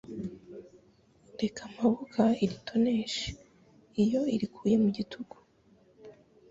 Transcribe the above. Reka mpabuka iritoneshe:Iyo irikuye mu gitugu